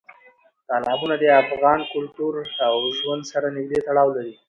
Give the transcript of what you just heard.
تالابونه د افغان کلتور او ژوند سره نږدې تړاو لري.